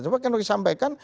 coba kita sampaikan